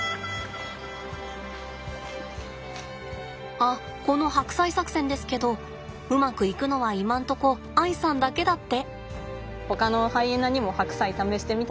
あっこの白菜作戦ですけどうまくいくのは今んとこ愛さんだけだって。